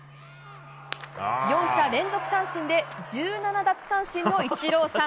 ４者連続三振で１７奪三振のイチローさん。